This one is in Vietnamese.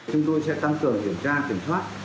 chúng tôi sẽ tăng cường kiểm tra kiểm soát